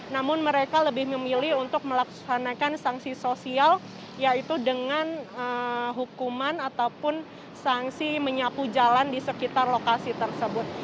namun mereka lebih memilih untuk melaksanakan sanksi sosial yaitu dengan hukuman ataupun sanksi menyapu jalan di sekitar lokasi tersebut